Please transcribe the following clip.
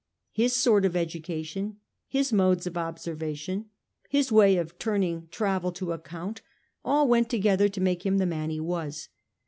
His sort of education, his modes of obser vation, his way of turning travel to account, all went together to make him the man he was.